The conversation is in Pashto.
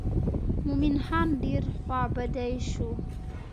مومن خان ډېر خوا بډی شو.